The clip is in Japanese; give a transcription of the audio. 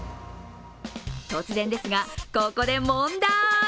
突然ですが、ここで問題。